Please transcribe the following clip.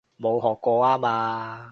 冇學過吖嘛